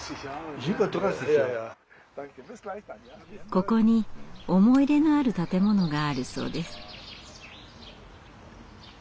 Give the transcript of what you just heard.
ここに思い入れのある建物があるそうです。